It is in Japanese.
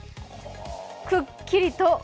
くっきりと。